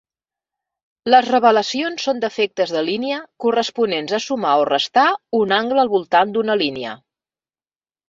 Les revelacions són defectes de línia corresponents a "sumar" o "restar" un angle al voltant d'una línia.